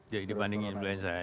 jadi dibanding influenza aja